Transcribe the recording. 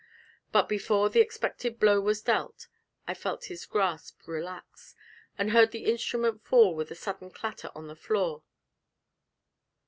But before the expected blow was dealt I felt his grasp relax, and heard the instrument fall with a sudden clatter on the floor.